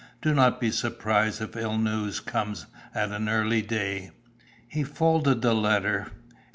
Do not be surprised if ill news comes at an early day." He folded the letter.